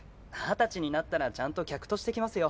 二十歳になったらちゃんと客として来ますよ。